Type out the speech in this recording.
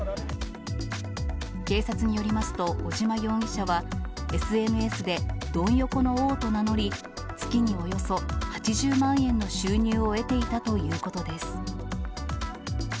警察によりますと、尾島容疑者は、ＳＮＳで、ドン横の王と名乗り、月におよそ８０万円の収入を得ていたということです。